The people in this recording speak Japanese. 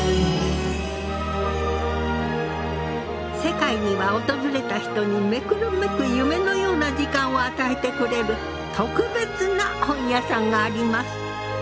世界には訪れた人に目くるめく夢のような時間を与えてくれる特別な本屋さんがあります。